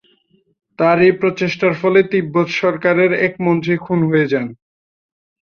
তার এই প্রচেষ্টার ফলে তিব্বত সরকারের এক মন্ত্রী খুন হয়ে যান।